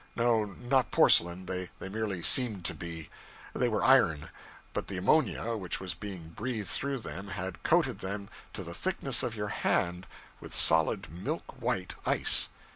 No, not porcelain they merely seemed to be; they were iron, but the ammonia which was being breathed through them had coated them to the thickness of your hand with solid milk white ice.